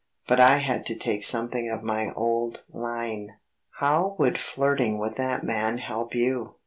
But I had to take something of my old line. "How would flirting with that man help you?"